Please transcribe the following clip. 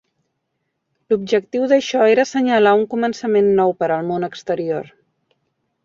L'objectiu d'això era senyalar un començament nou per al món exterior.